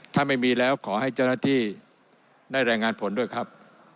ถ้าไม่มีแล้วขอให้เจ้าหน้าที่ได้รายงานผลด้วยครับ